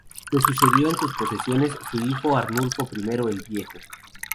Le sucedió en sus posesiones su hijo Arnulfo I el Viejo.